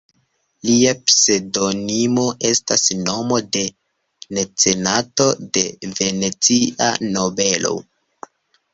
Lia pseŭdonimo estas nomo de mecenato, de Venecia nobelo.